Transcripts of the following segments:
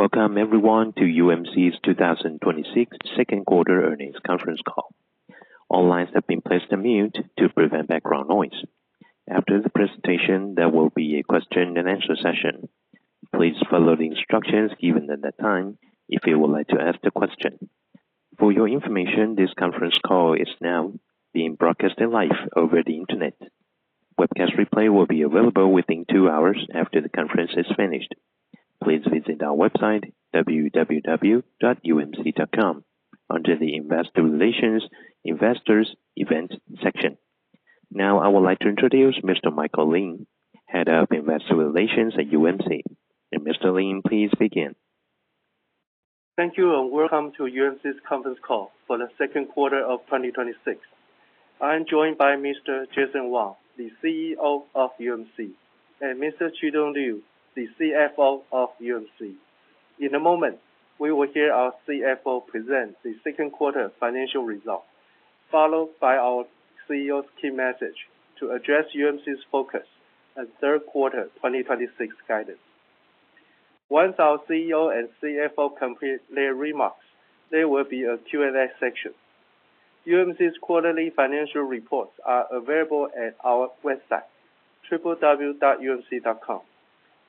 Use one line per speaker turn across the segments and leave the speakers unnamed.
Welcome everyone to UMC's 2026 second quarter earnings conference call. All lines have been placed on mute to prevent background noise. After the presentation, there will be a question and answer session. Please follow the instructions given at that time if you would like to ask a question. For your information, this conference call is now being broadcasted live over the internet. Webcast replay will be available within two hours after the conference is finished. Please visit our website, www.umc.com, under the investor relations, investors events section. Now I would like to introduce Mr. Michael Lin, Head of Investor Relations at UMC. Mr. Lin, please begin.
Thank you, and welcome to UMC's conference call for the second quarter of 2026. I am joined by Mr. Jason Wang, the CEO of UMC, and Mr. Chitung Liu, the CFO of UMC. In a moment, we will hear our CFO present the second quarter financial results, followed by our CEO's key message to address UMC's focus and third quarter 2026 guidance. Once our CEO and CFO complete their remarks, there will be a Q&A section. UMC's quarterly financial reports are available at our website, www.umc.com,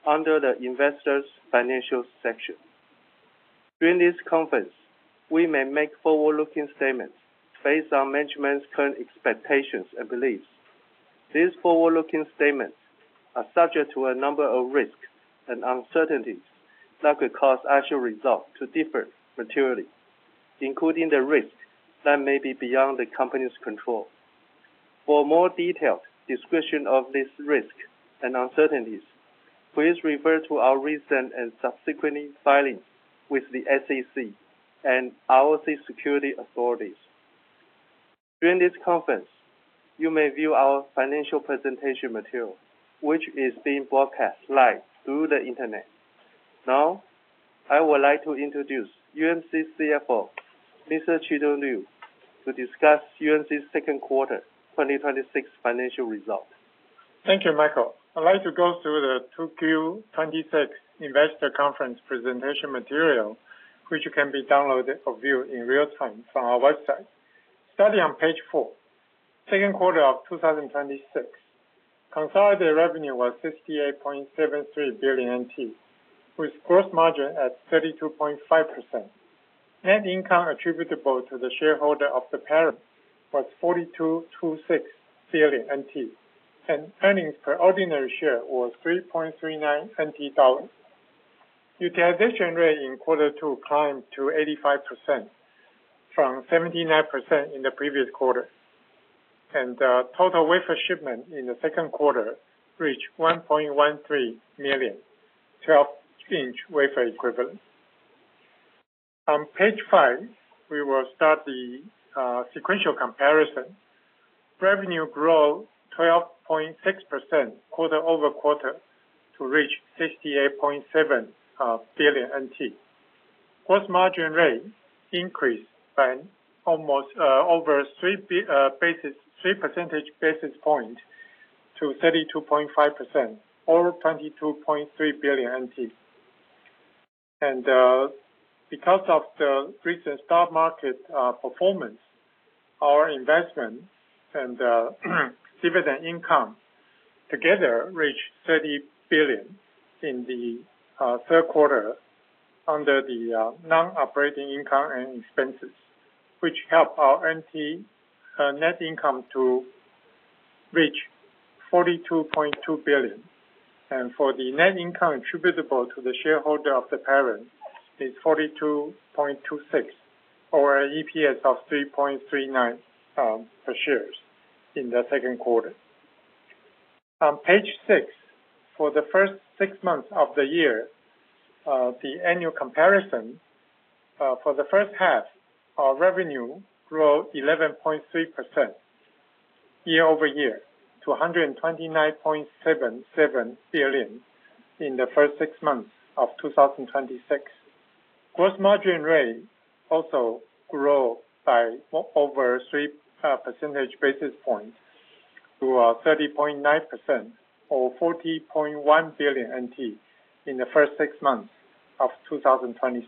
under the investor's financials section. During this conference, we may make forward-looking statements based on management's current expectations and beliefs. These forward-looking statements are subject to a number of risks and uncertainties that could cause actual results to differ materially, including the risks that may be beyond the company's control. For a more detailed description of these risks and uncertainties, please refer to our recent and subsequently filings with the SEC and our security authorities. During this conference, you may view our financial presentation material, which is being broadcast live through the Internet. Now, I would like to introduce UMC's CFO, Mr. Chitung Liu, to discuss UMC's second quarter 2026 financial results.
Thank you, Michael. I'd like to go through the 2Q 2026 investor conference presentation material, which can be downloaded or viewed in real time from our website. Starting on page four, second quarter of 2026. Consolidated revenue was 68.73 billion NT, with gross margin at 32.5%. Net income attributable to the shareholder of the parent was TWD 42.26 billion, and earnings per ordinary share was 3.39 NT dollars. Utilization rate in quarter two climbed to 85% from 79% in the previous quarter. The total wafer shipment in the second quarter reached 1.13 million 12-inch wafer equivalent. On page five, we will start the sequential comparison. Revenue grew 12.6% quarter-over-quarter to reach 68.7 billion NT. Gross margin rate increased by almost over 3 percentage basis points to 32.5% or 22.3 billion NT. Because of the recent stock market performance, our investment and dividend income together reached 30 billion in the third quarter under the non-operating income and expenses, which help our NT net income to reach 42.2 billion. For the net income attributable to the shareholder of the parent is 42.26 or EPS of 3.39 per share in the second quarter. On page six, for the first six months of the year, the annual comparison for the first half, our revenue grew 11.3% year-over-year to 129.77 billion in the first six months of 2026. Gross margin rate also grew by over 3 percentage basis points to 30.9% or 40.1 billion NT in the first six months of 2026.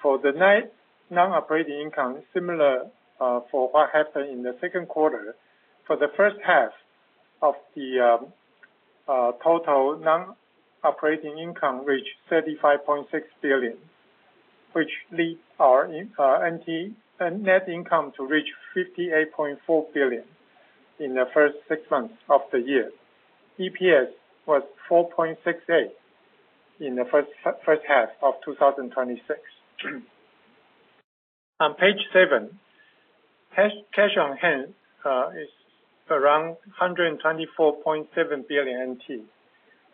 For the net, non-operating income, similar for what happened in the second quarter. For the first half of the total non-operating income reached 35.6 billion, which leads our NT net income to reach 58.4 billion in the first six months of the year. EPS was 4.68 in the first half of 2026. On page seven, cash on hand is around 124.7 billion NT,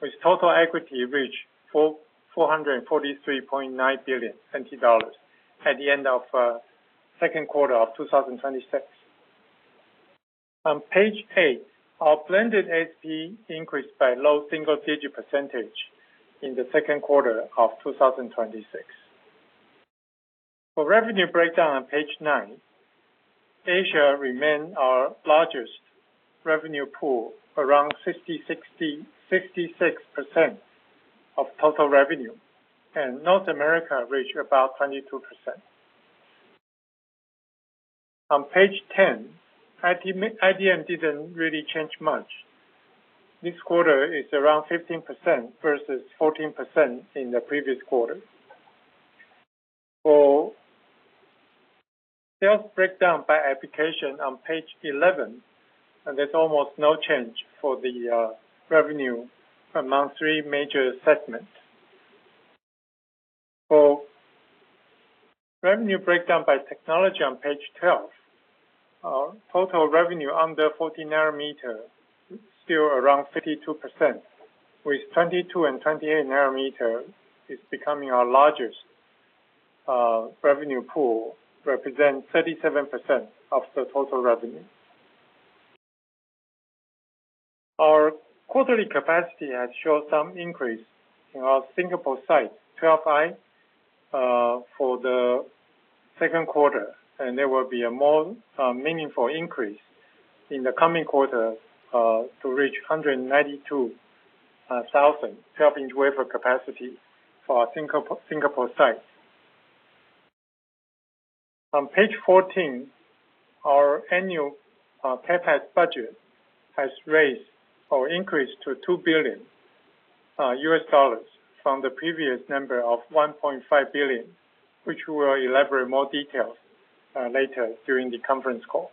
with total equity reached 443.9 billion NT dollars at the end of second quarter of 2026. On page eight, our blended ASP increased by low single-digit percentage in the second quarter of 2026. For revenue breakdown on page nine, Asia remains our largest revenue pool, around 66% of total revenue, and North America reached about 22%. On page 10, IDM didn't really change much. This quarter is around 15% versus 14% in the previous quarter. For sales breakdown by application on page 11, there's almost no change for the revenue among three major segments. For revenue breakdown by technology on page 12, total revenue under 14 nm is still around 52%, with 22 nm and 28 nm is becoming our largest revenue pool, representing 37% of the total revenue. Our quarterly capacity has shown some increase in our Singapore site, Fab 12i, for the second quarter, and there will be a more meaningful increase in the coming quarter, to reach 192,000 12-inch wafer capacity for our Singapore site. On page 14, our annual CapEx budget has raised or increased to $2 billion from the previous number of $1.5 billion, which we'll elaborate more details later during the conference call.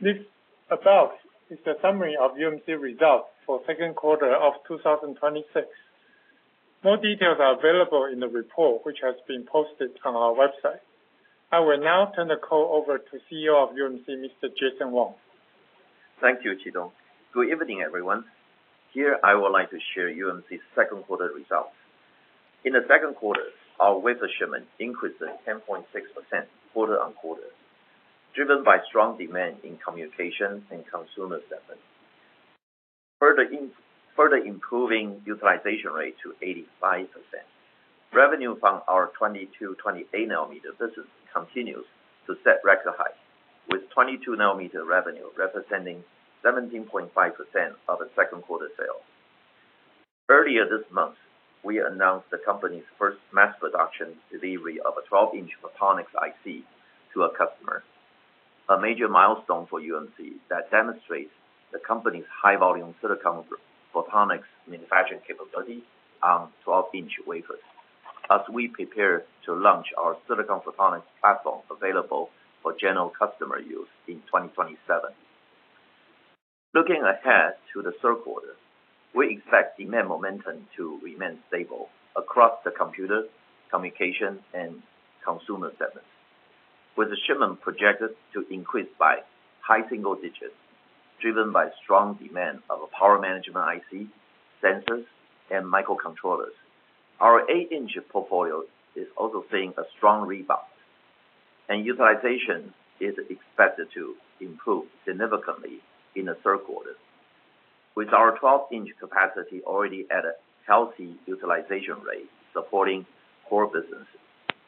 This about is the summary of UMC results for second quarter of 2026. More details are available in the report, which has been posted on our website. I will now turn the call over to CEO of UMC, Mr. Jason Wang.
Thank you, Chitung. Good evening, everyone. Here, I would like to share UMC's second quarter results. In the second quarter, our wafer shipment increased 10.6% quarter-over-quarter, driven by strong demand in communications and consumer segments, further improving utilization rate to 85%. Revenue from our 22 nm/28 nm business continues to set record highs, with 22nm revenue representing 17.5% of the second quarter sales. Earlier this month, we announced the company's first mass production delivery of a 12-inch silicon photonics IC to a customer, a major milestone for UMC that demonstrates the company's high volume silicon photonics manufacturing capability on 12-inch wafers. As we prepare to launch our silicon photonics platform available for general customer use in 2027. Looking ahead to the third quarter, we expect demand momentum to remain stable across the computer, communication, and consumer segments, with the shipment projected to increase by high single digits, driven by strong demand of power management IC, sensors, and microcontrollers. Our 8-inch portfolio is also seeing a strong rebound, and utilization is expected to improve significantly in the third quarter. With our 12-inch capacity already at a healthy utilization rate supporting core businesses,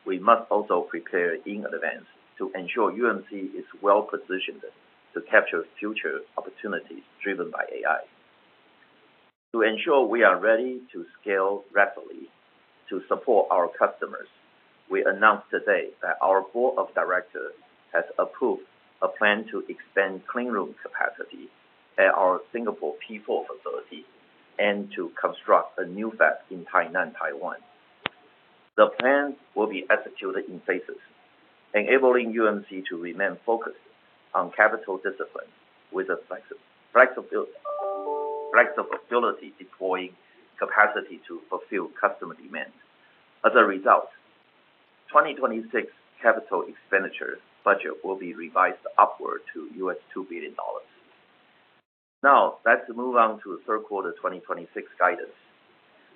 we must also prepare in advance to ensure UMC is well-positioned to capture future opportunities driven by AI. To ensure we are ready to scale rapidly to support our customers, we announce today that our board of directors has approved a plan to expand clean room capacity at our Singapore P4 facility and to construct a new Fab in Tainan, Taiwan. The plan will be executed in phases, enabling UMC to remain focused on capital discipline with the flexibility deploying capacity to fulfill customer demands. As a result, 2026 capital expenditure budget will be revised upward to $2 billion. Let's move on to the third quarter 2026 guidance.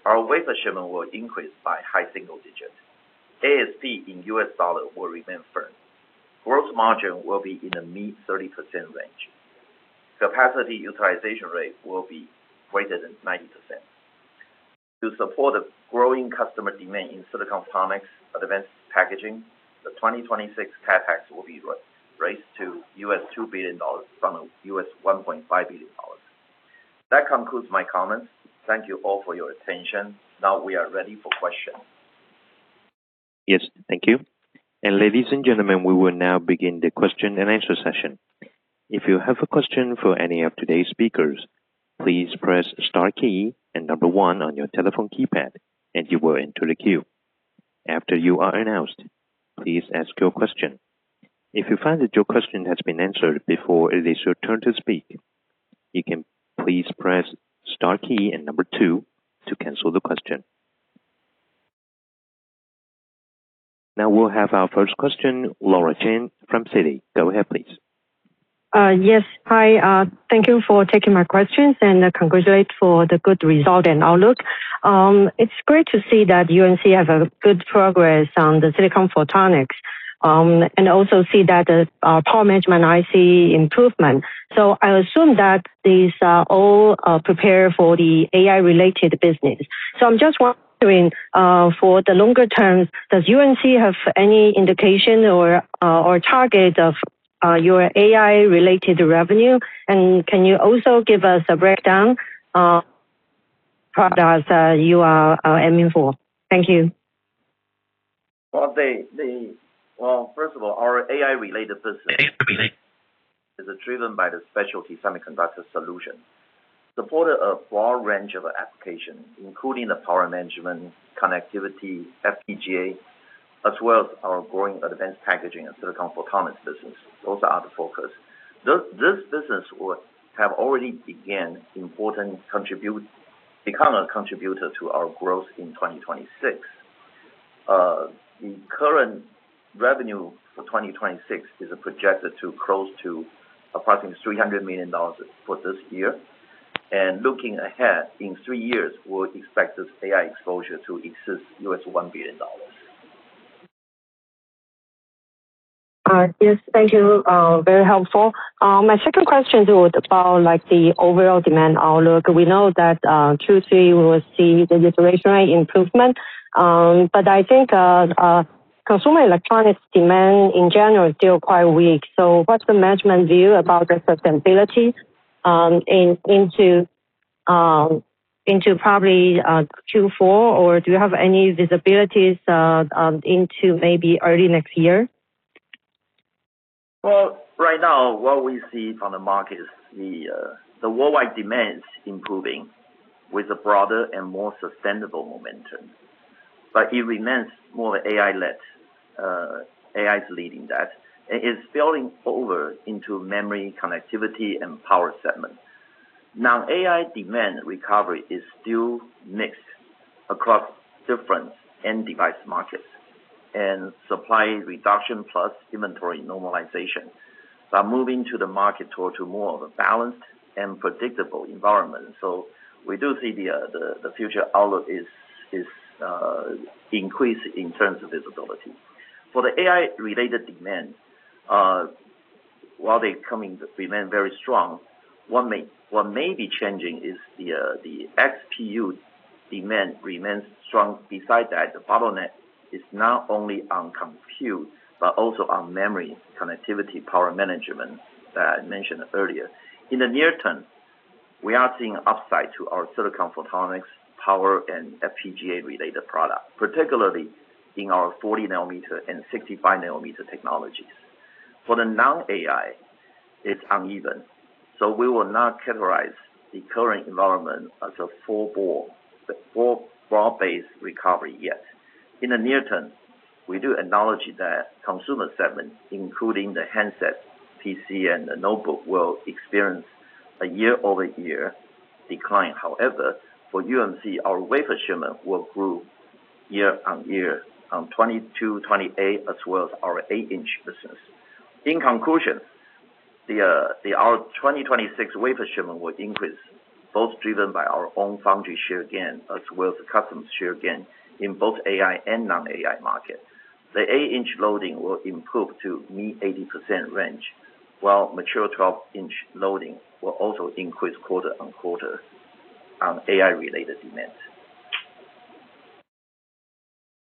Our wafer shipment will increase by high single digits. ASP in USD will remain firm. Gross margin will be in the mid 30% range. Capacity utilization rate will be greater than 90%. To support the growing customer demand in silicon photonics advanced packaging, the 2026 CapEx will be raised to $2 billion from $1.5 billion. That concludes my comments. Thank you all for your attention. We are ready for questions.
Yes, thank you. Ladies and gentlemen, we will now begin the question-and-answer session. If you have a question for any of today's speakers, please press star key and number one on your telephone keypad and you will enter the queue. After you are announced, please ask your question. If you find that your question has been answered before it is your turn to speak, you can please press star key and number two to cancel the question. We'll have our first question, Laura Chen from Citi. Go ahead, please.
Yes. Hi, thank you for taking my questions, and congratulate for the good result and outlook. It's great to see that UMC have a good progress on the silicon photonics. Also see that the power management IC improvement. I assume that these are all prepared for the AI related business. I'm just wondering, for the longer term, does UMC have any indication or target of your AI related revenue? Can you also give us a breakdown products that you are aiming for? Thank you.
Well, first of all, our AI related business is driven by the specialty semiconductor solution, support a broad range of applications, including the power management, connectivity, FPGA, as well as our growing advanced packaging and silicon photonics business. Those are the focus. This business would have already began important contribute, become a contributor to our growth in 2026. The current revenue for 2026 is projected to close to approximately $300 million for this year. Looking ahead, in three years, we'll expect this AI exposure to exceed US $1 billion.
All right. Yes, thank you. Very helpful. My second question was about the overall demand outlook. We know that Q3 will see the iteration rate improvement. I think consumer electronics demand in general is still quite weak. What's the management view about the sustainability, into probably Q4? Do you have any visibilities into maybe early next year?
Well, right now, what we see from the market is the worldwide demand's improving with a broader and more sustainable momentum. It remains more AI-led. AI is leading that, and it's spilling over into memory, connectivity, and power segment. AI demand recovery is still mixed across different end device markets, and supply reduction plus inventory normalization are moving to the market toward to more of a balanced and predictable environment. We do see the future outlook is increased in terms of visibility. For the AI related demand, while they remain very strong, what may be changing is the XPU demand remains strong. Besides that, the bottleneck is not only on compute, but also on memory, connectivity, power management that I mentioned earlier. In the near term, we are seeing upside to our silicon photonics power and FPGA related product, particularly in our 40 nm and 65 nm technologies. We will not characterize the current environment as a full broad-based recovery yet. In the near term, we do acknowledge that consumer segment, including the handset PC and the notebook, will experience a year-over-year decline. For UMC, our wafer shipment will grow year-over-year on 22, 28, as well as our 8-inch business. In conclusion, our 2026 wafer shipment will increase, both driven by our own foundry share gain as well as the customer share gain in both AI and non-AI market. The 8-inch loading will improve to mid-80% range, while mature 12-inch loading will also increase quarter-on-quarter on AI-related demand.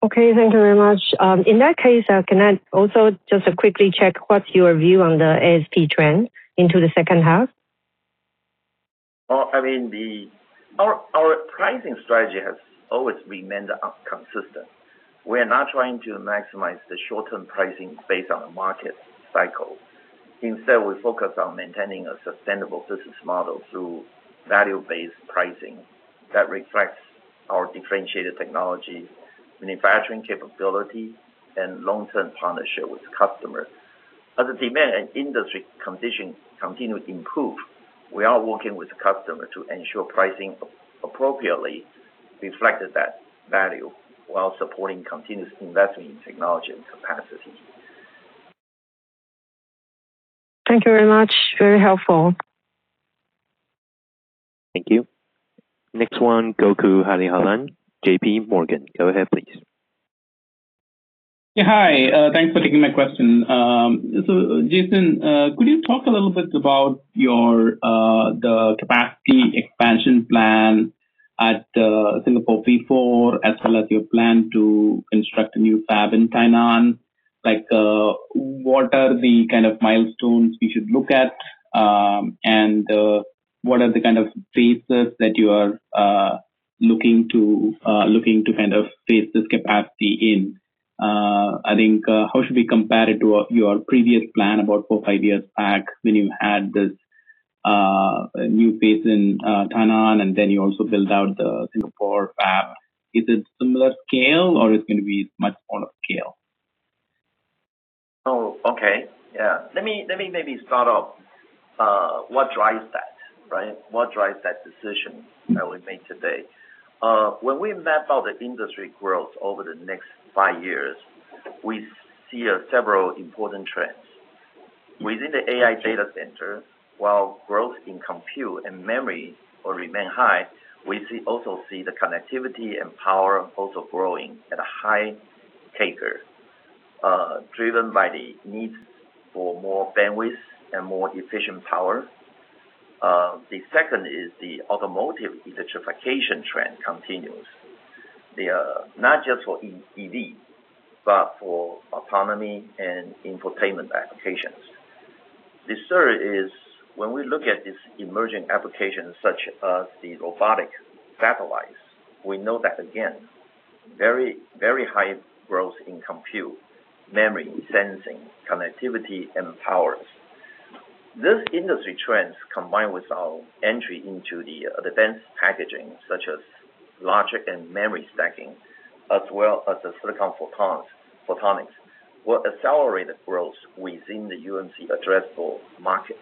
Okay. Thank you very much. In that case, can I also just quickly check what's your view on the ASP trend into the second half?
Our pricing strategy has always remained consistent. We are not trying to maximize the short-term pricing based on the market cycle. Instead, we focus on maintaining a sustainable business model through value-based pricing that reflects our differentiated technology, manufacturing capability, and long-term partnership with customers. As the demand and industry condition continue to improve, we are working with the customer to ensure pricing appropriately reflected that value while supporting continuous investment in technology and capacity.
Thank you very much. Very helpful.
Thank you. Next one, Gokul Hariharan, JPMorgan. Go ahead, please.
Yeah. Hi. Thanks for taking my question. Jason, could you talk a little bit about the capacity expansion plan at Singapore P4 as well as your plan to construct a new Fab in Tainan? What are the kind of milestones we should look at? What are the kind of phases that you are looking to kind of phase this capacity in? How should we compare it to your previous plan about four, five years back when you had this new phase in Tainan, and then you also build out the Singapore Fab 12i? Is it similar scale or it's going to be much more of scale?
Okay. Let me maybe start off, what drives that, right? What drives that decision that we made today? When we map out the industry growth over the next five years, we see several important trends. Within the AI data center, while growth in compute and memory will remain high, we also see the connectivity and power also growing at a high rate, driven by the need for more bandwidth and more efficient power. The second is the automotive electrification trend continues. They are not just for EV, but for autonomy and infotainment applications. The third is when we look at these emerging applications such as the robotic satellites, we know that again, very high growth in compute, memory, sensing, connectivity, and powers. These industry trends, combined with our entry into the advanced packaging such as logic and memory stacking, as well as the silicon photonics, will accelerate the growth within the UMC addressable market.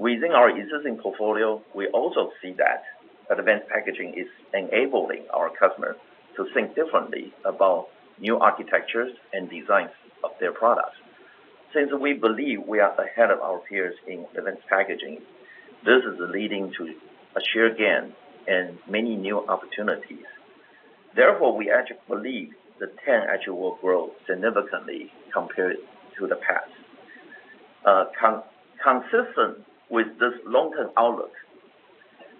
Within our existing portfolio, we also see that advanced packaging is enabling our customer to think differently about new architectures and designs of their products. Since we believe we are ahead of our peers in advanced packaging, this is leading to a share gain and many new opportunities. Therefore, we believe that TAM will grow significantly compared to the past. Consistent with this long-term outlook,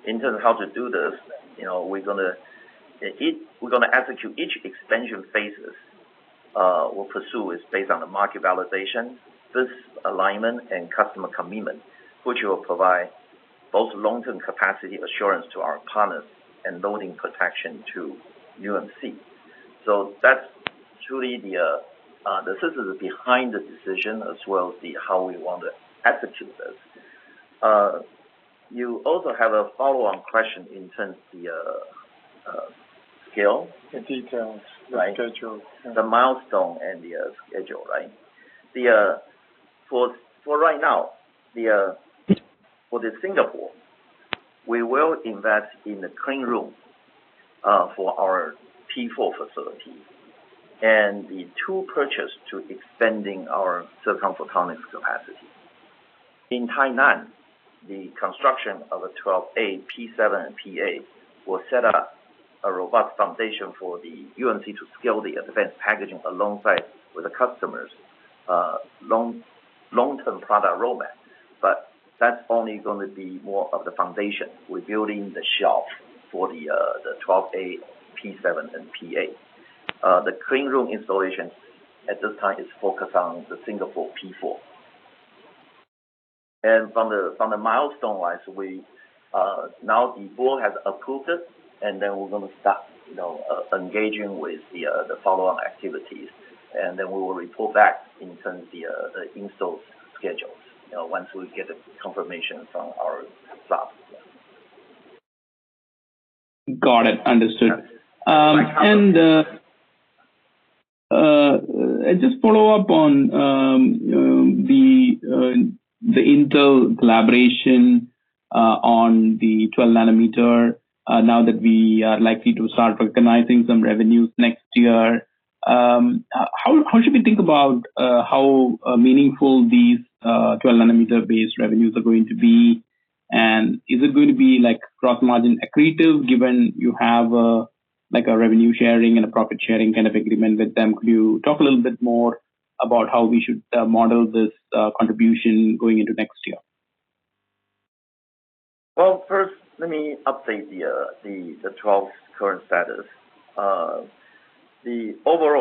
in terms of how to do this, we're going to execute each expansion phases we'll pursue is based on the market validation, this alignment, and customer commitment, which will provide both long-term capacity assurance to our partners and loading protection to UMC. That's truly this is behind the decision as well as the how we want to execute this. You also have a follow-on question in terms the scale.
The details, the schedule.
The milestone and the schedule, right? For right now, for the Singapore, we will invest in the clean room for our P4 facility and the tool purchase to expanding our silicon photonics capacity. In Tainan, the construction of the 12A, P7, and P8 will set up a robust foundation for the UMC to scale the advanced packaging alongside with the customers' long-term product roadmap. That's only going to be more of the foundation. We're building the shelf for the 12A, P7, and P8. The clean room installation at this time is focused on the Singapore P4. From the milestone-wise, now the board has approved it, and then we're going to start engaging with the follow-on activities. Then we will report back in terms the install schedules, once we get the confirmations from our staff.
Got it. Understood. Just follow up on the Intel collaboration, on the 12 nm, now that we are likely to start recognizing some revenues next year. How should we think about how meaningful these 12 nm based revenues are going to be? Is it going to be gross margin accretive, given you have a revenue sharing and a profit sharing kind of agreement with them? Could you talk a little bit more about how we should model this contribution going into next year?
Well, first, let me update the 12 nm current status. Overall,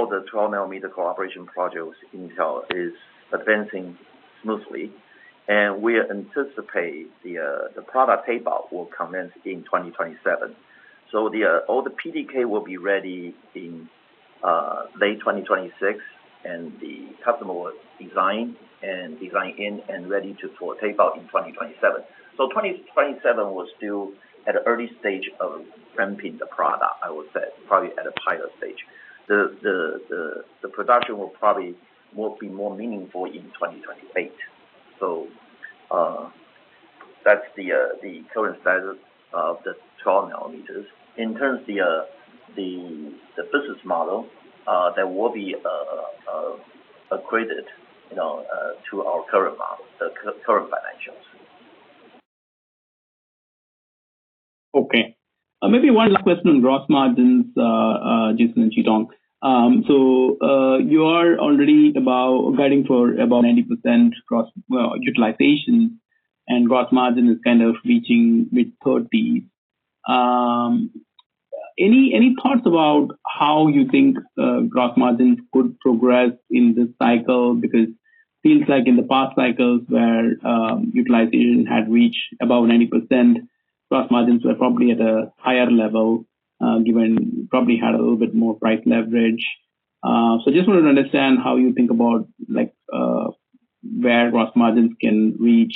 the 12 nm cooperation project with Intel is advancing smoothly, and we anticipate the product tape-out will commence in 2027. All the PDK will be ready in late 2026, and the customer will design and design in and ready to tape-out in 2027. 2027 will still at an early stage of ramping the product, I would say, probably at a pilot stage. The production will be more meaningful in 2028. That's the current status of the 12 nm. In terms the business model, that will be accreted to our current model, current financials.
Okay. Maybe one last question on gross margins, Jason and Chitung. You are already guiding for above 90% gross utilization and gross margin is kind of reaching mid-30s. Any thoughts about how you think gross margins could progress in this cycle? Because feels like in the past cycles where utilization had reached above 90%, gross margins were probably at a higher level, given you probably had a little bit more price leverage. Just wanted to understand how you think about where gross margins can reach,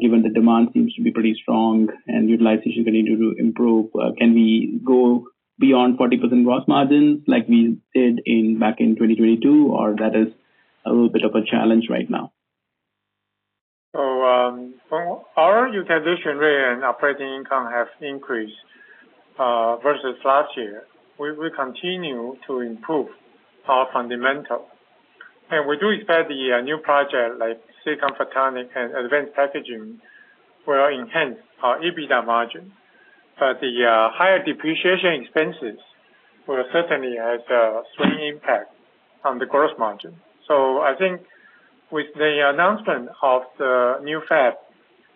given the demand seems to be pretty strong and utilization continue to improve. Can we go beyond 40% gross margins like we did back in 2022 or that is a little bit of a challenge right now?
Our utilization rate and operating income have increased, versus last year. We continue to improve our fundamentals, and we do expect the new project, like silicon photonics and advanced packaging, will enhance our EBITDA margin. The higher depreciation expenses will certainly have a slight impact on the gross margin. I think with the announcement of the new Fab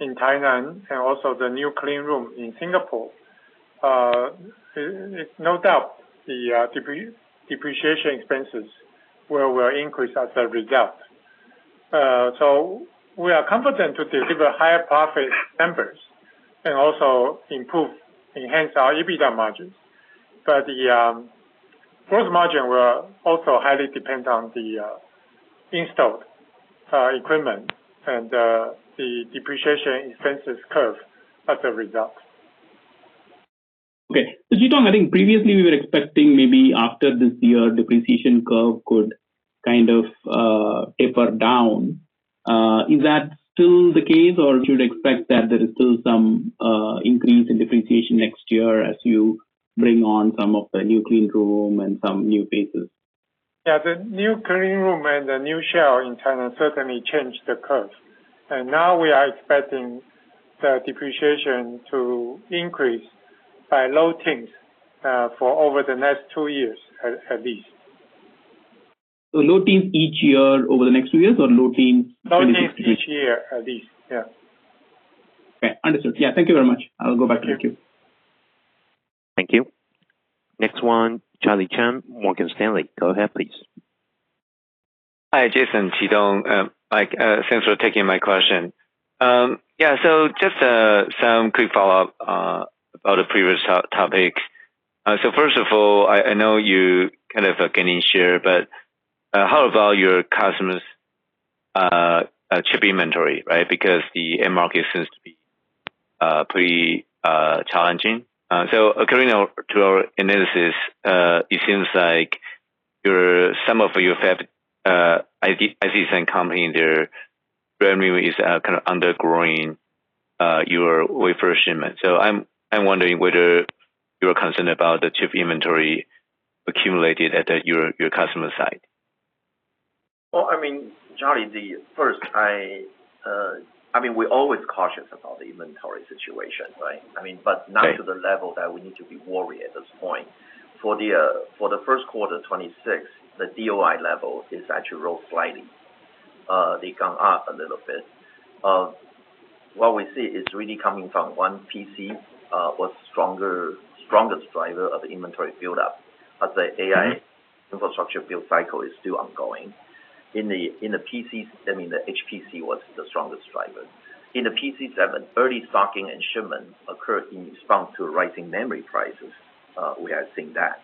in Tainan and also the new clean room in Singapore, it's no doubt the depreciation expenses will increase as a result. We are confident to deliver higher profit numbers and also enhance our EBITDA margins. The gross margin will also highly depend on the installed equipment and the depreciation expenses curve as a result.
Okay. Chitung, I think previously we were expecting maybe after this year, depreciation curve could kind of taper down. Is that still the case, or should we expect that there is still some increase in depreciation next year as you bring on some of the new clean room and some new phases?
Yeah, the new clean room and the new shell in China certainly change the curve. Now we are expecting the depreciation to increase by low teens for over the next two years, at least.
Low teens each year over the next two years, or low teens
Low teens each year, at least. Yeah.
Okay. Understood. Yeah. Thank you very much. I'll go back to the queue.
Thank you. Next one, Charlie Chan, Morgan Stanley. Go ahead, please.
Hi, Jason, Chitung. Thanks for taking my question. Just some quick follow-up about the previous topic. First of all, I know you kind of getting share, but how about your customers chip inventory, right? Because the end market seems to be pretty challenging. According to our analysis, it seems like some of your Fab IC design company, their revenue is kind of undergrowing your wafer shipment. I'm wondering whether you are concerned about the chip inventory accumulated at your customer side.
Well, I mean Charlie, first, we're always cautious about the inventory situation, right? Not to the level that we need to be worried at this point. For the first quarter 2026, the DOI level is actually rose slightly. They gone up a little bit. What we see is really coming from one PC, was strongest driver of the inventory buildup. As the AI infrastructure build cycle is still ongoing. In the PC, I mean the HPC was the strongest driver. In the PC segment, early stocking and shipment occurred in response to rising memory prices. We are seeing that.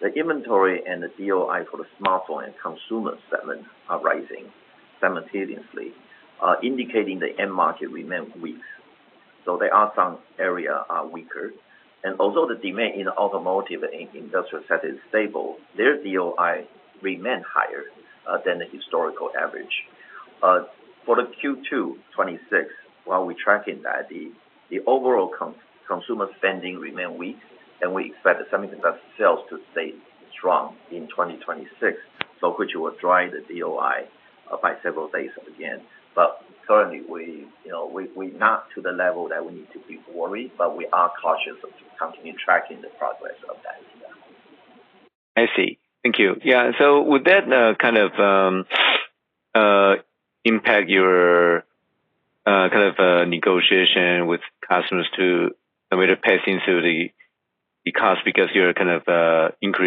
The inventory and the DOI for the smartphone and consumer segment are rising simultaneously, indicating the end market remain weak. There are some area are weaker. Although the demand in the automotive and industrial sector is stable, their DOI remain higher than the historical average. For the Q2 2026, while we're tracking that, the overall consumer spending remain weak, and we expect semiconductor sales to stay strong in 2026, which will drive the DOI up by several basis again. Currently, we're not to the level that we need to be worried, but we are cautious of continuing tracking the progress of that area.
I see. Thank you. Would that kind of impact your negotiation with customers to a way to pass into the cost because you're increasing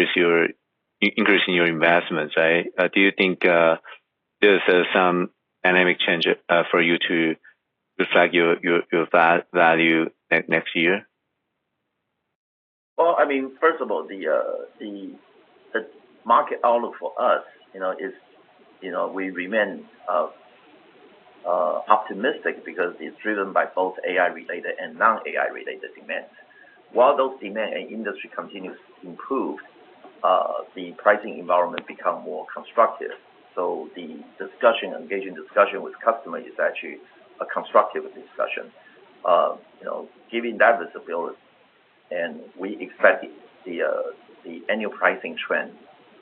your investments, right? Do you think there's some dynamic change for you to reflect your value next year?
I mean, first of all, the market outlook for us, we remain optimistic because it's driven by both AI-related and non-AI-related demand. While that demand and industry continues to improve, the pricing environment become more constructive. The engaging discussion with customer is actually a constructive discussion. Given that visibility, and we expect the annual pricing trend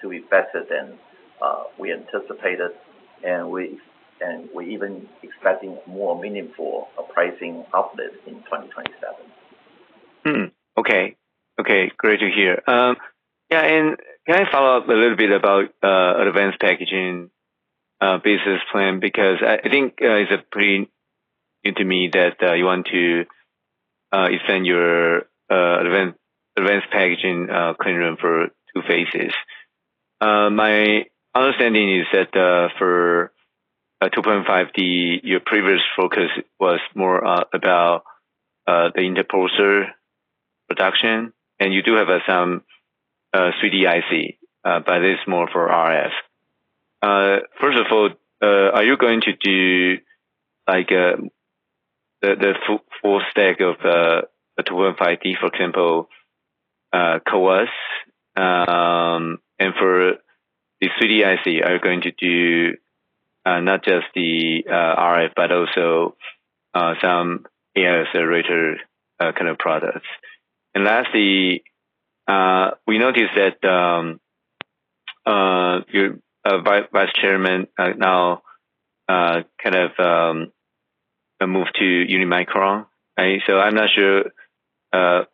to be better than we anticipated, and we even expecting more meaningful pricing uplift in 2027.
Okay. Great to hear. Can I follow up a little bit about advanced packaging business plan? Because I think it's pretty new to me that you want to extend your advanced packaging clean room for two phases. My understanding is that, for 2.5D, your previous focus was more about the interposer production, and you do have some 3D IC, but it's more for RF. First of all, are you going to do like a full stack of the 2.5D, for example, CoWoS? And for the 3D IC, are you going to do not just the RF, but also some AI accelerator kind of products? Lastly, we noticed that your vice-chairman now moved to Unimicron. I'm not sure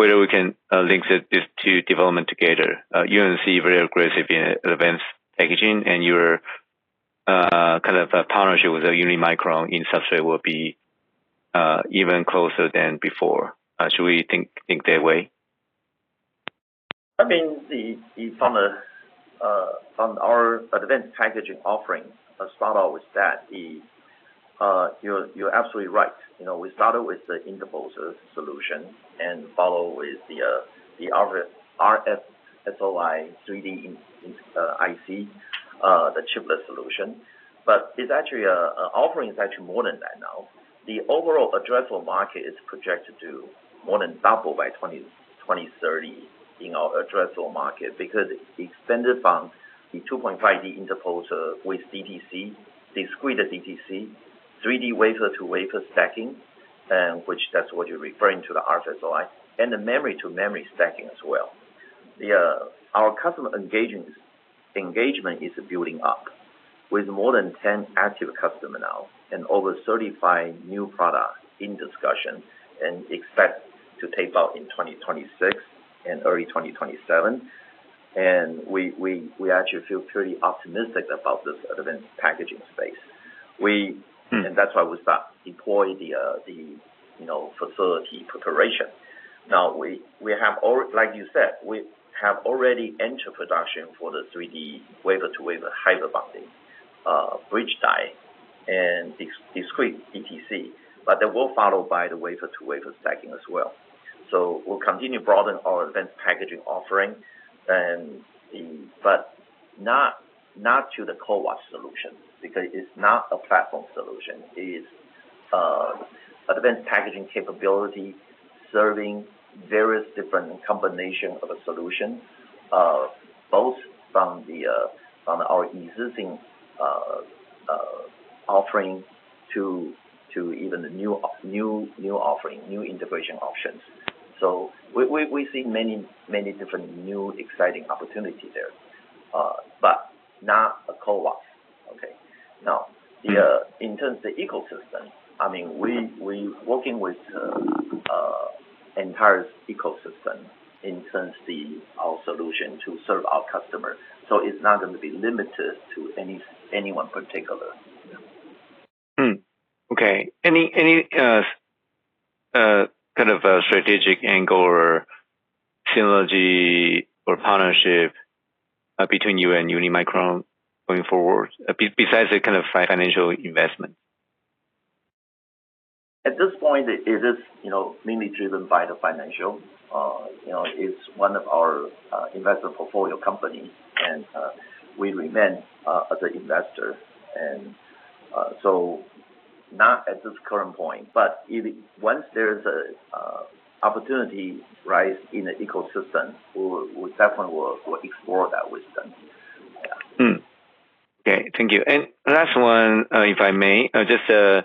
whether we can link these two developments together. UMC very aggressive in advanced packaging and your partnership with Unimicron in substrate will be even closer than before. Should we think that way?
From our advanced packaging offering, I'll start out with that. You're absolutely right. We started with the interposer solution and follow with the RFSOI 3D IC, the chiplet solution. Offering is actually more than that now. The overall addressable market is projected to more than double by 2030 in our addressable market, because it extended from the 2.5D interposer with DTC, discrete DTC, 3D wafer-to-wafer stacking, and which that's what you're referring to, the RFSOI, and the memory-to-memory stacking as well. Our customer engagement is building up with more than 10 active customers now, and over 35 new products in discussion, and expect to tape out in 2026 and early 2027. We actually feel pretty optimistic about this advanced packaging space. That's why we start deploying the facility preparation. Now, like you said, we have already entered production for the 3D wafer-to-wafer hybrid bonding bridge die and discrete DTC. That will follow by the wafer-to-wafer stacking as well. We'll continue broaden our advanced packaging offering, but not to the CoWoS solution, because it's not a platform solution. It is advanced packaging capability serving various different combination of a solution, both from our existing offering to even the new offering, new integration options. We see many different new exciting opportunities there. Not a CoWoS. Okay. In terms of ecosystem, we're working with entire ecosystem in terms the our solution to serve our customers. It's not going to be limited to any one particular.
Okay. Any kind of strategic angle or synergy or partnership between you and Unimicron going forward, besides the kind of financial investment?
At this point, it is mainly driven by the financial. It's one of our investor portfolio company, and we remain as an investor. Not at this current point, but once there's an opportunity rise in the ecosystem, we definitely will explore that with them. Yeah.
Okay. Thank you. Last one, if I may, just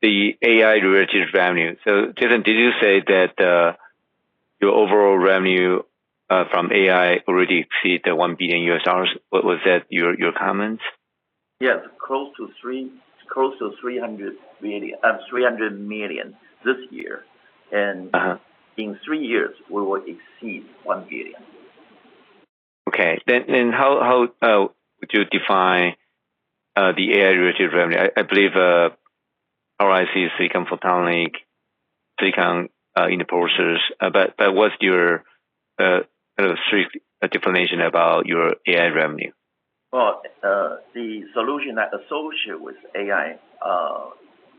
the AI-related revenue. Jason, did you say that your overall revenue from AI already exceed $1 billion? Was that your comment?
Yes. Close to $300 million this year. In three years, we will exceed $1 billion.
Okay. How would you define the AI-related revenue? I believe PIC silicon photonics, silicon interposers. What's your kind of strict definition about your AI revenue?
the solution that associate with AI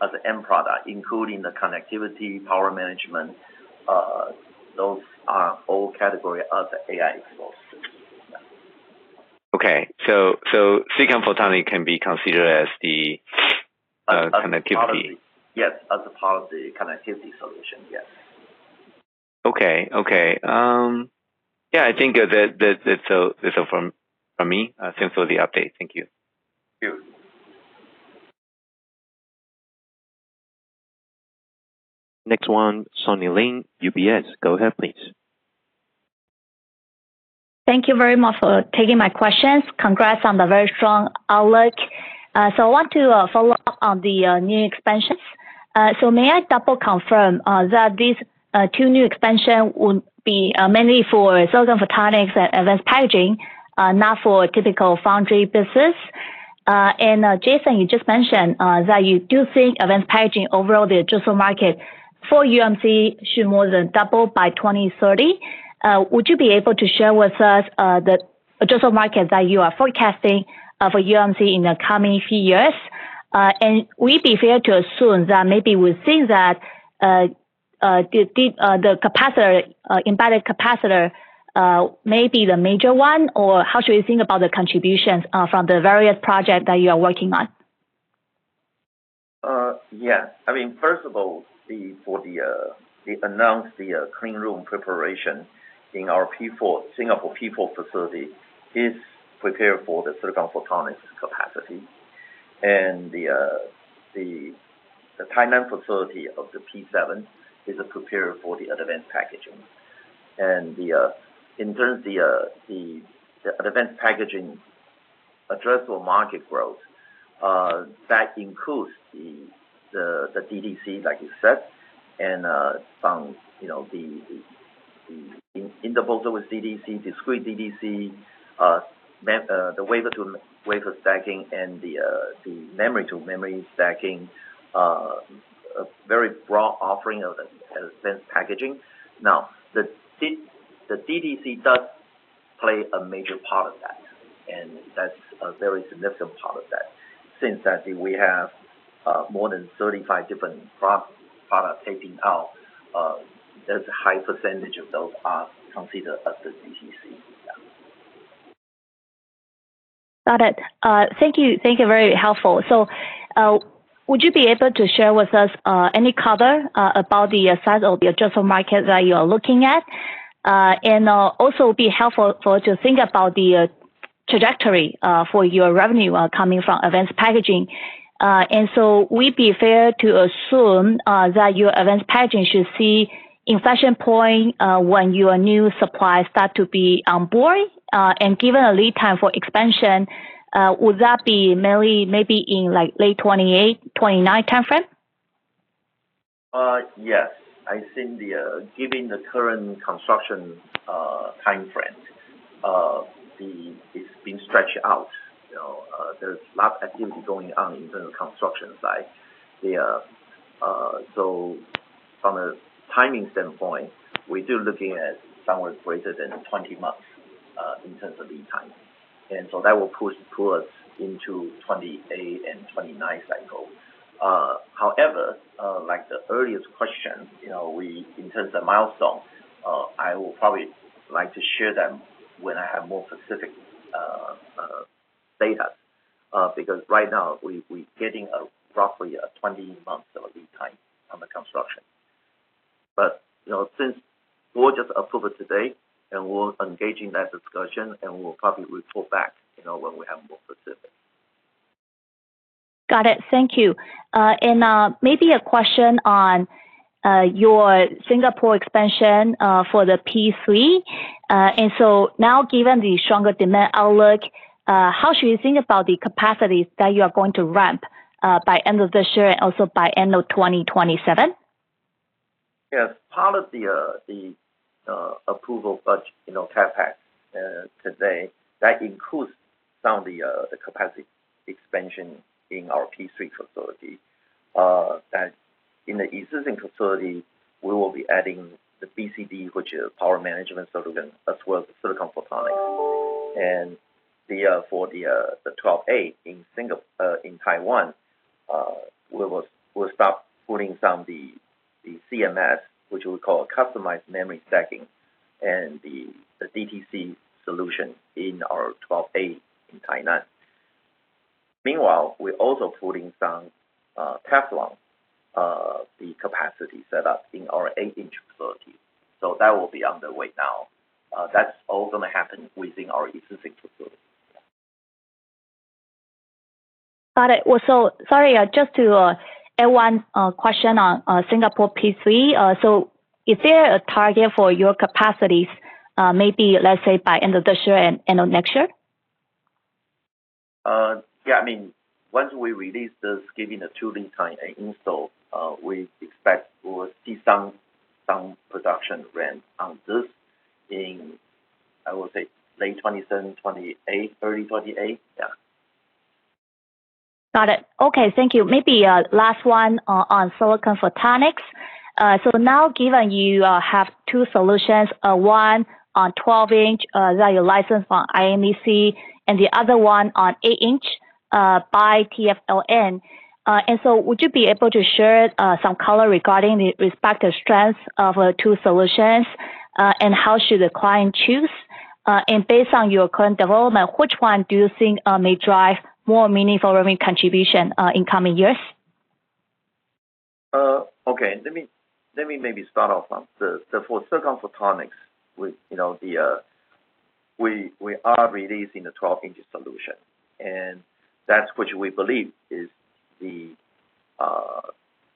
as an end product, including the connectivity, power management, those are all category as AI exposed solutions. Yeah.
Okay. silicon photonic can be considered as the connectivity.
Yes, as a part of the connectivity solution. Yes.
Okay. Yeah, I think that's all from me. Thanks for the update. Thank you.
Thank you.
Next one, Sunny Lin, UBS. Go ahead, please.
Thank you very much for taking my questions. Congrats on the very strong outlook. I want to follow up on the new expansions. May I double confirm that these two new expansion would be mainly for silicon photonics and advanced packaging, not for typical foundry business? Jason, you just mentioned that you do think advanced packaging overall, the addressable market for UMC should more than double by 2030. Would you be able to share with us the addressable market that you are forecasting for UMC in the coming few years? Will it be fair to assume that maybe we think that the embedded capacitor may be the major one, or how should we think about the contributions from the various projects that you are working on?
First of all, they announced the clean room preparation in our Singapore P4 facility. It's prepared for the silicon photonics capacity. The Tainan facility of the P7 is prepared for the advanced packaging. In terms of the advanced packaging addressable market growth, that includes the DTC, like you said, and some, the interposer between DTC, discrete DTC, the wafer-to-wafer stacking, and the memory-to-memory stacking. A very broad offering of advanced packaging. The DTC does play a major part of that, and that's a very significant part of that since I think we have more than 35 different products taping out. There's a high percentage of those are considered as the DTC.
Got it. Thank you. Very helpful. Would you be able to share with us any color about the size of the addressable market that you are looking at? Also be helpful for to think about the trajectory for your revenue coming from advanced packaging. Would it be fair to assume that your advanced packaging should see inflection point when your new supply start to be on board? Given a lead time for expansion, would that be maybe in late 2028, 2029 timeframe?
Yes. I think given the current construction timeframe, it's been stretched out. There's a lot of activity going on in terms of construction side. From a timing standpoint, we're still looking at somewhere greater than 20 months, in terms of lead timing. That will push us into 2028 and 2029 cycle. However, like the earliest question, in terms of milestone, I will probably like to share them when I have more specific data. Right now, we're getting roughly a 20-month lead time on the construction. Since we'll just approve it today and we'll engage in that discussion, and we'll probably report back when we have more specifics.
Got it. Thank you. Maybe a question on your Singapore expansion for the P3. Now given the stronger demand outlook, how should we think about the capacities that you are going to ramp by end of this year and also by end of 2027?
Yes. Part of the approval budget CapEx today, that includes some of the capacity expansion in our P3 facility. In the existing facility, we will be adding the PCD, which is power management solution, as well as silicon photonics. For the 12A in Taiwan, we'll start putting some of the CMS, which we call customized memory stacking, and the DTC solution in our 12A in Tainan. Meanwhile, we're also putting some TFLN, the capacity set up in our eight-inch facility. That will be underway now. That's all going to happen within our existing facility.
Got it. Well, so sorry, just to add one question on Singapore P3. Is there a target for your capacities, maybe let's say by end of this year and end of next year?
Once we release this, given the two lead time install, we expect we will see some production ramp on this in, I would say late 2027, 2028, early 2028.
Got it. Okay. Thank you. Now, maybe last one on silicon photonics. Given you have two solutions, one on 12-inch, that you license from imec, and the other one on 8-inch by TFLN. Would you be able to share some color regarding the respective strengths of two solutions, and how should the client choose? Based on your current development, which one do you think may drive more meaningful revenue contribution in coming years?
Okay. Let me maybe start off on, for silicon photonics, we are releasing a 12-inch solution, and that's which we believe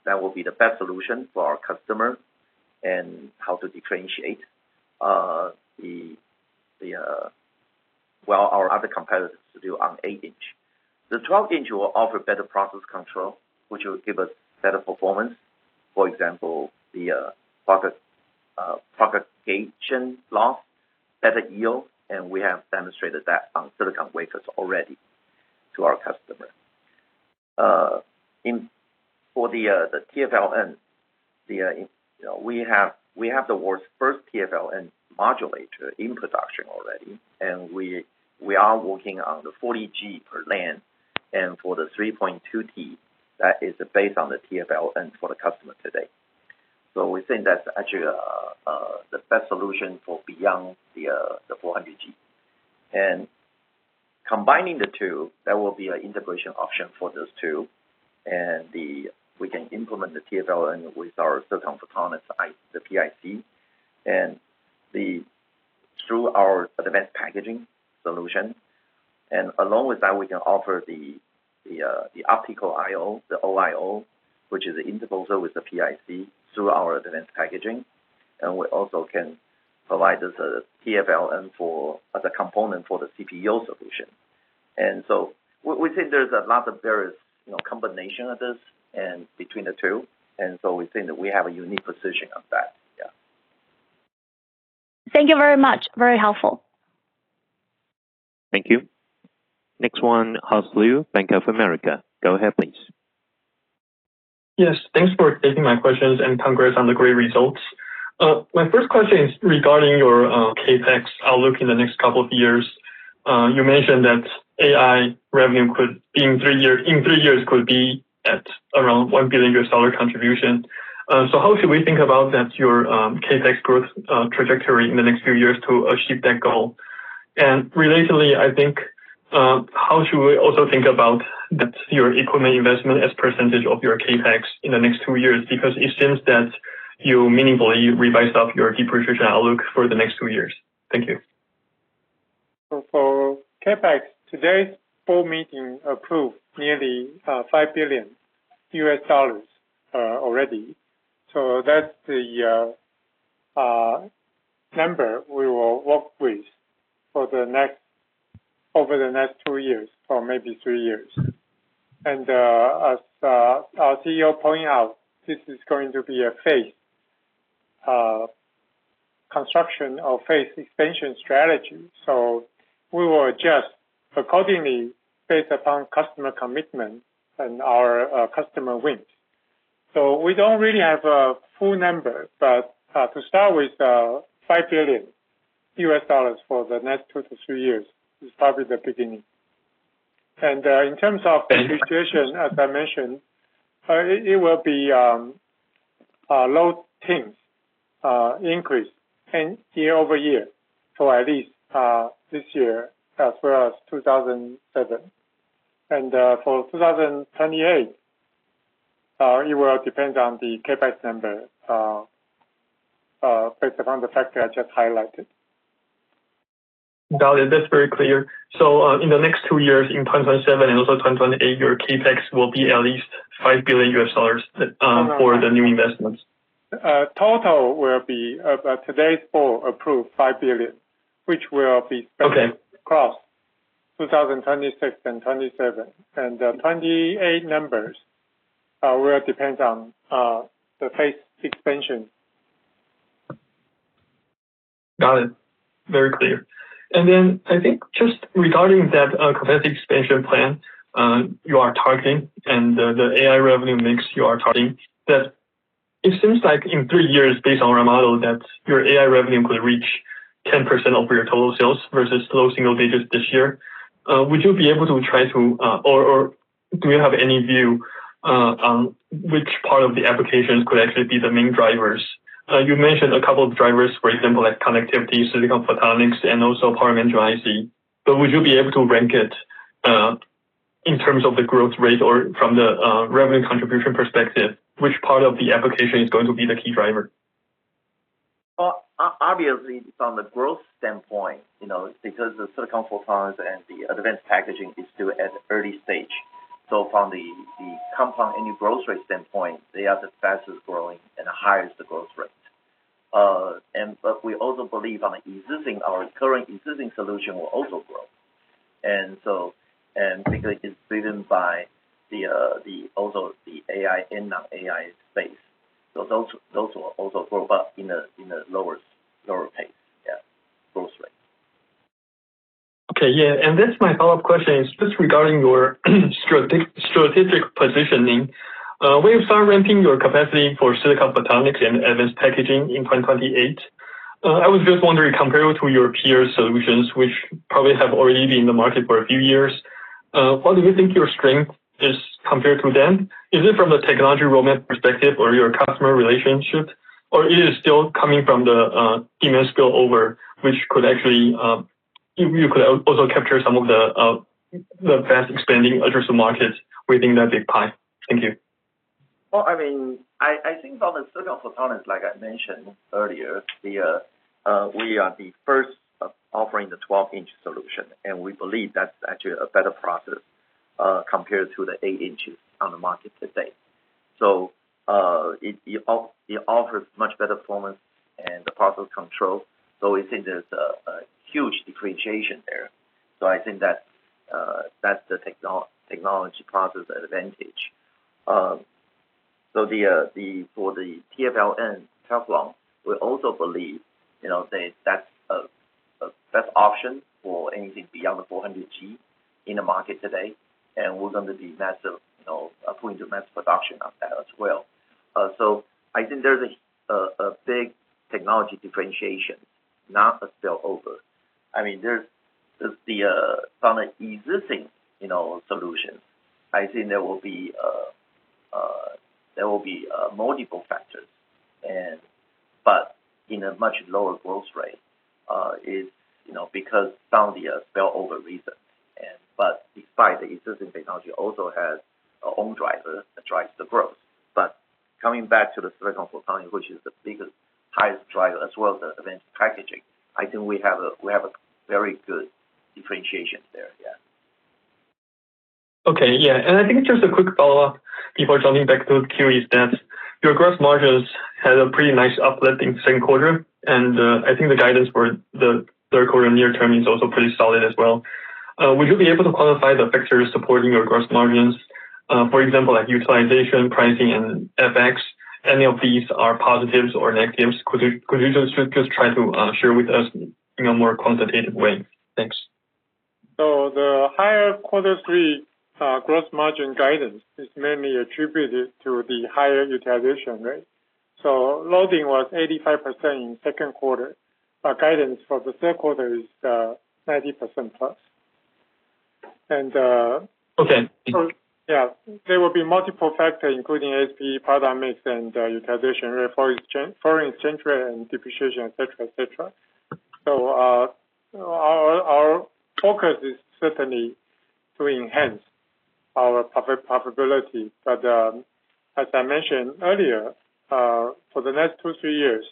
that will be the best solution for our customer and how to differentiate what our other competitors do on 8-inch. The 12-inch will offer better process control, which will give us better performance. For example, the propagation loss, better yield, and we have demonstrated that on silicon wafers already to our customer. For the TFLN, we have the world's first TFLN modulator in production already, and we are working on the 400G per lane For the 3.2T, that is based on the TFLN for the customer today. We think that's actually the best solution for beyond the 400G. Combining the two, that will be an integration option for those two. We can implement the TFLN with our silicon photonics, the PIC, and through our advanced packaging solution. Along with that, we can offer the optical I/O, the OIO, which is the interposer with the PIC through our advanced packaging, and we also can provide the TFLN as a component for the CPO solution. We think there's a lot of various combination of this and between the two, we think that we have a unique position on that. Yeah.
Thank you very much. Very helpful.
Thank you. Next one, Haas Liu, Bank of America. Go ahead, please.
Yes. Thanks for taking my questions, and congrats on the great results. My first question is regarding your CapEx outlook in the next couple of years. You mentioned that AI revenue in three years could be at around $1 billion contribution. How should we think about that, your CapEx growth trajectory in the next few years to achieve that goal? Relatedly, I think, how should we also think about your equipment investment as percentage of your CapEx in the next two years? Because it seems that you meaningfully revised up your depreciation outlook for the next two years. Thank you.
For CapEx, today's full meeting approved nearly $5 billion already. That's the number we will work with over the next two years or maybe three years. As our CEO pointed out, this is going to be a phase construction or phase expansion strategy. We will adjust accordingly based upon customer commitment and our customer wins. We don't really have a full number, but to start with, $5 billion for the next two to three years is probably the beginning. In terms of depreciation, as I mentioned, it will be low tens increase year over year for at least this year as well as 2027. For 2028, it will depend on the CapEx number based upon the factor I just highlighted.
Got it. That's very clear. In the next two years, in 2027 and also 2028, your CapEx will be at least $5 billion.
No.
For the new investments.
Total will be, today's board approved $5 billion, which will be.
Okay.
Spread across 2026 and 2027. The 2028 numbers will depend on the phase expansion.
Got it. Very clear. I think just regarding that capacity expansion plan you are targeting and the AI revenue mix you are targeting, that it seems like in three years, based on our model, your AI revenue could reach 10% of your total sales versus low single digits this year. Would you be able to try or do you have any view on which part of the applications could actually be the main drivers? You mentioned a couple of drivers, for example, like connectivity, silicon photonics, and also power management IC. Would you be able to rank it, in terms of the growth rate or from the revenue contribution perspective, which part of the application is going to be the key driver?
Obviously, from the growth standpoint, because the silicon photonics and the advanced packaging is still at early stage. From the compound annual growth rate standpoint, they are the fastest-growing and highest growth rate. We also believe our current existing solution will also grow. Particularly, it's driven by also the AI, in the AI space. Those will also grow, but in a lower pace.
That's my follow-up question. Just regarding your strategic positioning. When you start ramping your capacity for silicon photonics and advanced packaging in 2028, I was just wondering, compared to your peer solutions, which probably have already been in the market for a few years, what do you think your strength is compared to them? Is it from the technology roadmap perspective or your customer relationship, or it is still coming from the immense skill over which you could also capture some of the fast expanding addressable markets within that big pie? Thank you.
Well, I think from the silicon photonics, like I mentioned earlier, we are the first offering the 12-inch solution, and we believe that's actually a better process compared to the eight inches on the market today. It offers much better performance and the process control, we think there's a huge differentiation there. I think that's the technology process advantage. For the TFLN, we also believe that's the best option for anything beyond the 400G in the market today, we're going to be putting to mass production on that as well. I think there's a big technology differentiation, not a spillover. From an existing solution, I think there will be multiple factors, but in a much lower growth rate, because found the spillover reason. Besides the existing technology also has its own driver that drives the growth. Coming back to the silicon photonics, which is the biggest, highest driver as well as advanced packaging, I think we have a very good differentiation there, yeah.
Okay. Yeah. I think just a quick follow-up before jumping back to the queries, Dennis. Your gross margins had a pretty nice uplift in the second quarter, and I think the guidance for the third quarter near term is also pretty solid as well. Would you be able to qualify the factors supporting your gross margins? For example, like utilization, pricing, and FX. Any of these are positives or negatives? Could you just try to share with us in a more quantitative way? Thanks.
The higher quarter three gross margin guidance is mainly attributed to the higher utilization rate. Loading was 85% in the second quarter. Our guidance for the third quarter is 30%+.
Okay.
There will be multiple factors, including ASP, product mix, and utilization rate, foreign exchange rate, and depreciation, et cetera. Our focus is certainly to enhance our profitability. As I mentioned earlier, for the next two, three years,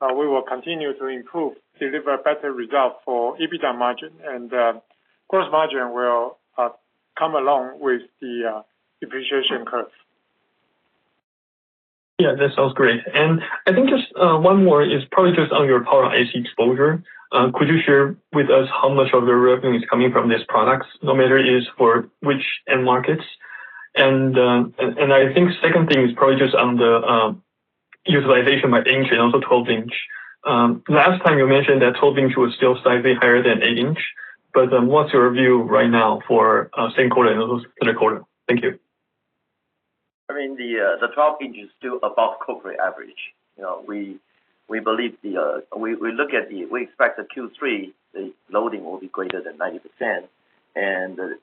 we will continue to improve, deliver better results for EBITDA margin, and gross margin will come along with the depreciation curve.
That sounds great. I think just one more is probably just on your power IC exposure. Could you share with us how much of the revenue is coming from these products, no matter is for which end markets? I think second thing is probably just on the utilization by inch and also 12-inch. Last time you mentioned that 12-inch was still slightly higher than eight-inch, but what's your view right now for second quarter and also third quarter? Thank you.
The 12-inch is still above corporate average. We expect the Q3, the loading will be greater than 90%, and the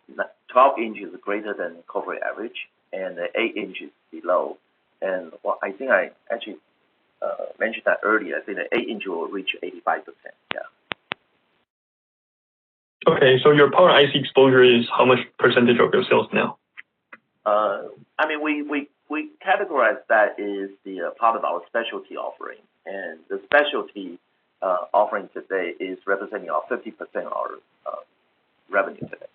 12-inch is greater than corporate average, and the eight-inch is below. I think I actually mentioned that earlier. I think the eight-inch will reach 85%.
Your power IC exposure is how much percentage of your sales now?
We categorize that is the part of our specialty offering. The specialty offering today is representing 50% of our revenue today.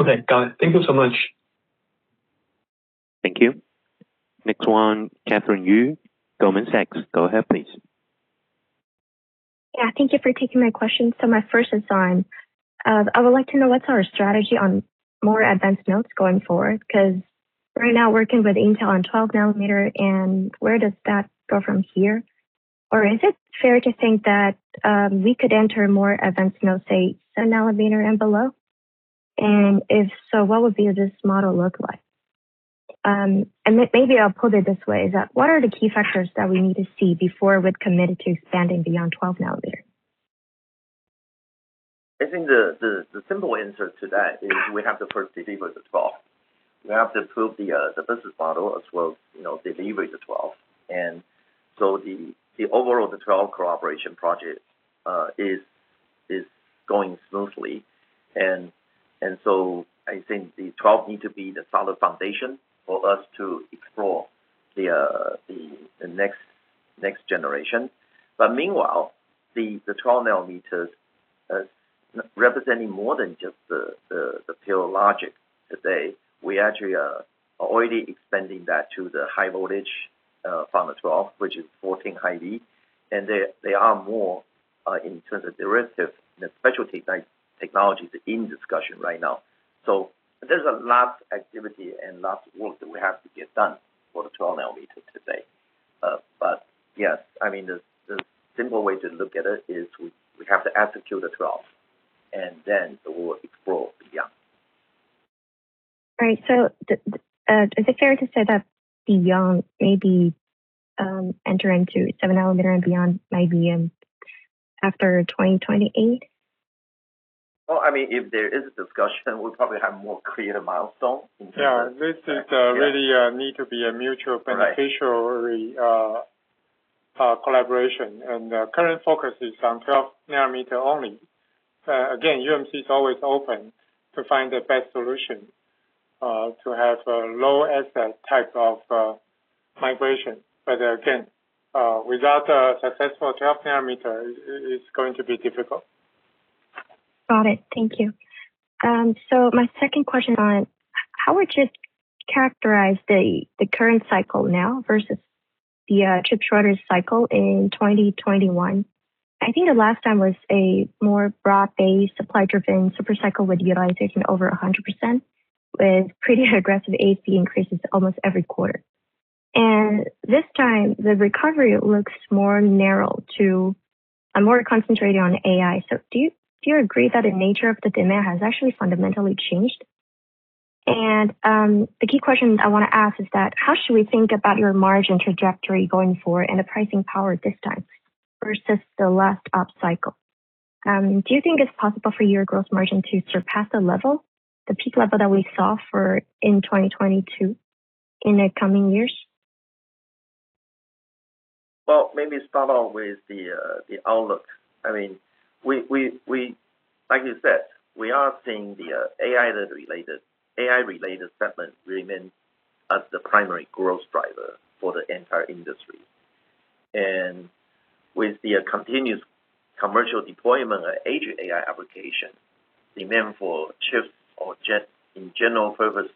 Okay, got it. Thank you so much.
Thank you. Next one, Cathrine Yu, Goldman Sachs. Go ahead, please.
Yeah. Thank you for taking my questions. My first is on, I would like to know what's our strategy on more advanced nodes going forward, because right now working with Intel on 12 nm, and where does that go from here? Or is it fair to think that we could enter more advanced nodes, say, 7 nm and below? If so, what would the business model look like? Maybe I'll put it this way, is that what are the key factors that we need to see before we'd commit to expanding beyond 12 nm?
I think the simple answer to that is we have to first deliver the 12 nm. We have to prove the business model as well, deliver the 12 nm. The overall of the 12 nm cooperation project is going smoothly. I think the 12 nm needs to be the solid foundation for us to explore the next generation. Meanwhile, the 12 nm is representing more than just the pure logic today. We actually are already expanding that to the high voltage found in 12 nm, which is 14HV. There are more in terms of derivative and specialty technologies in discussion right now. There's a lot of activity and lots of work that we have to get done for the 12 nm today. Yes, the simple way to look at it is we have to execute the 12 nm, then we will explore beyond.
Right. Is it fair to say that beyond maybe enter into 7 nm and beyond maybe after 2028?
If there is a discussion, we'll probably have more creative milestones in terms of-
Yeah, this really need to be a mutual.
Right. The current focus is on 12 nm only. Again, UMC is always open to find the best solution, to have a low asset type of migration. Again, without a successful 12 nm, it's going to be difficult.
Got it. Thank you. My second question on how would you characterize the current cycle now versus the chip shortage cycle in 2021? I think the last time was a more broad-based, supply-driven super cycle with utilization over 100%, with pretty aggressive ASP increases almost every quarter. This time, the recovery looks more narrow, more concentrated on AI. Do you agree that the nature of the demand has actually fundamentally changed? The key question I want to ask is that how should we think about your margin trajectory going forward and the pricing power this time versus the last up cycle? Do you think it's possible for your gross margin to surpass the peak level that we saw for in 2022 in the coming years?
Well, maybe start off with the outlook. Like you said, we are seeing the AI-related segment remain as the primary growth driver for the entire industry. With the continuous commercial deployment of agent AI application, demand for chips or just in general purpose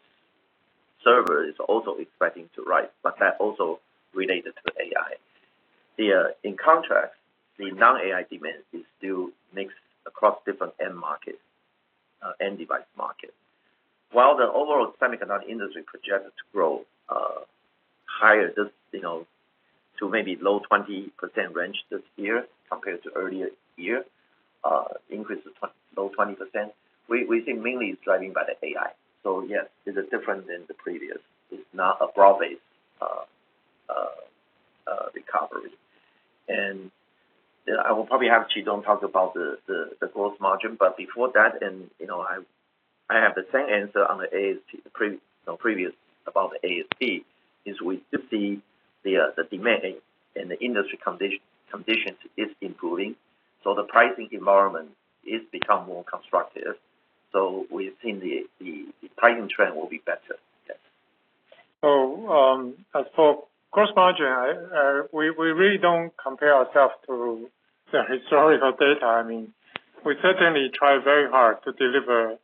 server is also expecting to rise, but that also related to AI. In contrast, the non-AI demand is still mixed across different end device market. While the overall semiconductor industry projected to grow higher to maybe low 20% range this year compared to earlier year, increase of low 20%, we think mainly is driven by the AI. Yes, it's different than the previous. It's not a broad-based recovery. I will probably have Chitung talk about the gross margin, before that, I have the same answer on the previous about ASP. We still see the demand and the industry condition is improving, the pricing environment is become more constructive. We think the pricing trend will be better. Yes.
As for gross margin, we really don't compare ourselves to the historical data. We certainly try very hard to deliver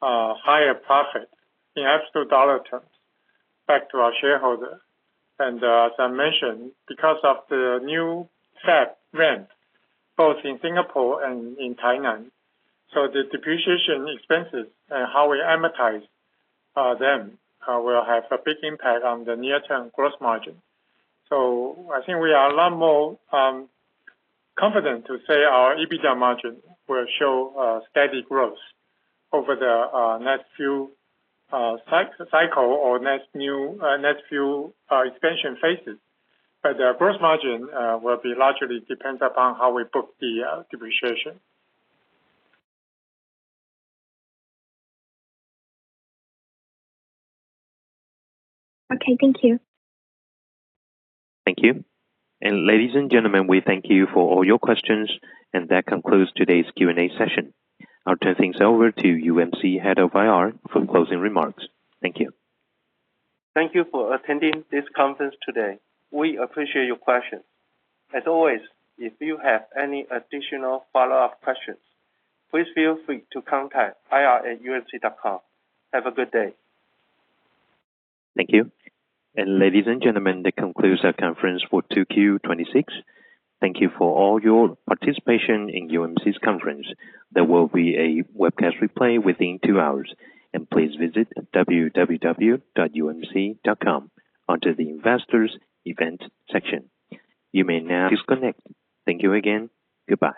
higher profit in absolute dollar terms back to our shareholder. As I mentioned, because of the new Fab 12i ramp, both in Singapore and in Tainan, the depreciation expenses and how we amortize them will have a big impact on the near-term gross margin. I think we are a lot more confident to say our EBITDA margin will show steady growth over the next few cycle or next few expansion phases. The gross margin will be largely depends upon how we book the depreciation.
Okay. Thank you.
Thank you. Ladies and gentlemen, we thank you for all your questions, and that concludes today's Q&A session. I'll turn things over to UMC head of IR for closing remarks. Thank you.
Thank you for attending this conference today. We appreciate your questions. As always, if you have any additional follow-up questions, please feel free to contact ir@umc.com. Have a good day.
Thank you. Ladies and gentlemen, that concludes our conference for 2Q 2026. Thank you for all your participation in UMC's conference. There will be a webcast replay within two hours. Please visit umc.com under the Investors Event section. You may now disconnect. Thank you again. Goodbye.